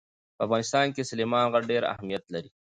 په افغانستان کې سلیمان غر ډېر اهمیت لري.